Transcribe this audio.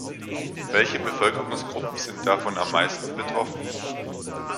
Welche Bevölkerungsgruppen sind davon am meisten betroffen?